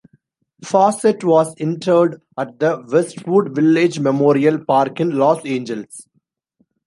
Fawcett was interred at the Westwood Village Memorial Park in Los Angeles.